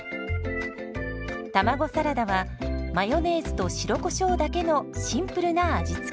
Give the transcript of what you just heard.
卵サラダはマヨネーズと白コショウだけのシンプルな味付け。